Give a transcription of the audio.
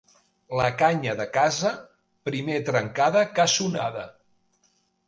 La canya de casa, primer trencada que sonada.